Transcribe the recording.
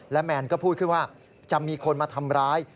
แมนก็พูดขึ้นว่าจะมีคนมาทำร้าย